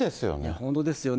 本当ですよね。